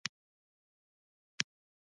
څنګه کولی شم قران په یوه کال کې ختم کړم